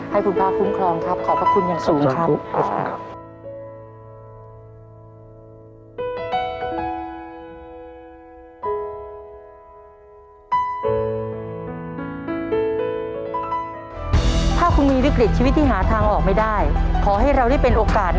ให้คุณพระคุ้มครองครับขอบพระคุณอย่างสูงครับ